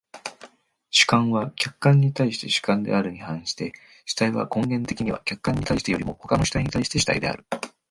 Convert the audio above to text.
主観は客観に対して主観であるに反して、主体は根源的には客観に対してよりも他の主体に対して主体である。